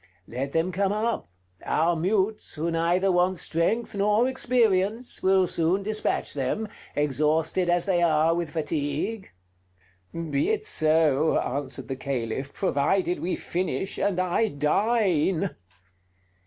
Let them come up: our mutes, who neither want strength nor experience, will soon dispatch them, exhausted as they are with fatigue." "Be it so," answered the Caliph, "provided we finish, and I dine."